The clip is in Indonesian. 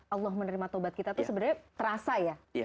allah menerima tobat kita tuh sebenarnya terasa ya